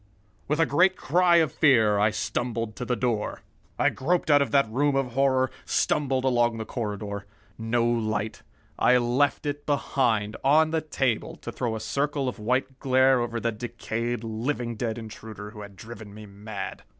With a great cry of fear I stumbled to the door. I groped out of that room of horror, stumbled along the corridor. No light. I left it behind, on the table, to throw a circle of white glare over the decayed, living dead intruder who had driven me mad.